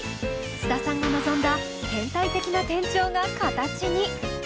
須田さんが望んだ変態的な転調が形に。